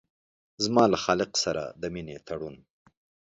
زما له خالق سره د مينې تړون